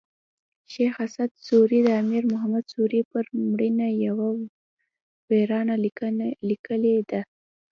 شېخ اسعد سوري د امیر محمد سوري پر مړینه یوه ویرنه لیکلې ده.